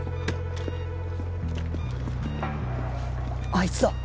あいつだ。